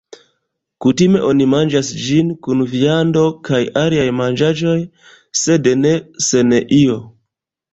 Kutime oni manĝas ĝin, kun viando kaj aliaj manĝaĵoj, sed ne sen io.